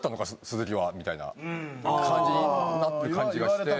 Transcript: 鈴木は」みたいな感じになってる感じがして。